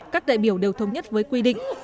các đại biểu đều thống nhất với quy định